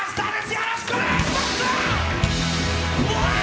よろしくお願いします！